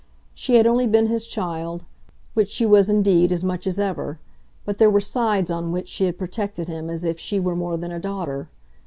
She had only been his child which she was indeed as much as ever; but there were sides on which she had protected him as if she were more than a daughter.